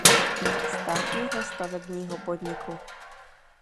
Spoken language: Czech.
Státního stavebního podniku.